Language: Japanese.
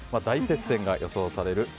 大接戦が予想される